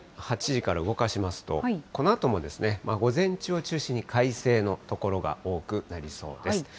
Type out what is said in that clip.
８時から動かしますと、このあとも午前中を中心に快晴の所が多くなりそうです。